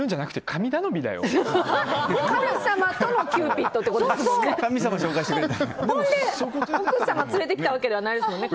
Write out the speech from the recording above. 神様とのキューピッドってことですもんね。